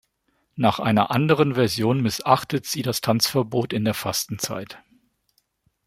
Nach einer anderen Version missachtet sie das Tanzverbot in der Fastenzeit.